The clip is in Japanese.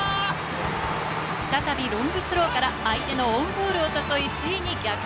再びロングスローから相手のオウンゴールを誘い、ついに逆転！